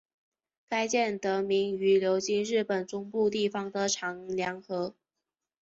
该舰得名于流经日本中部地方的长良河。